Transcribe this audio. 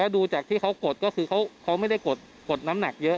ดูจากที่เขากดก็คือเขาไม่ได้กดน้ำหนักเยอะ